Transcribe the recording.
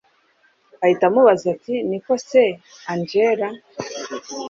ahita amubaza ati niko se angella